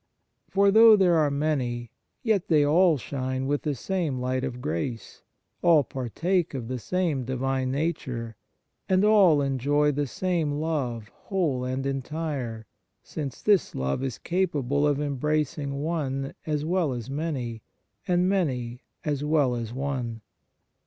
For though there are many, yet they all shine with the same light of grace, all partake of the same Divine Nature, and all enjoy the same love whole and entire, since this love is capable of embracing one as well as many, and many as well as one.